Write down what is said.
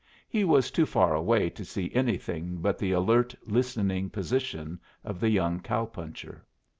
He was too far away to see anything but the alert, listening position of the young cow puncher.